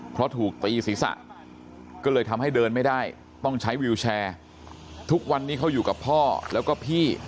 เพราะถูกตีศีรษะก็เลยทำให้เดินไม่ได้ต้องใช้วิวแชร์ทุกวันนี้เขาอยู่กับพ่อแล้วก็พี่